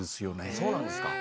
あっそうなんですか。